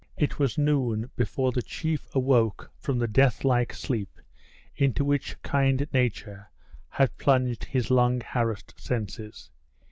It was noon before the chief awoke from the death like sleep into which kind nature had plunged his long harassed senses.